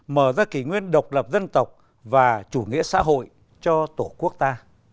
mở ra kỷ nguyên độc lập dân tộc và chủ nghĩa xã hội cho tổ quốc ta